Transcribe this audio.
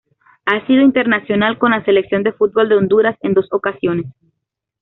Ha sido internacional con la Selección de fútbol de Honduras en dos ocasiones.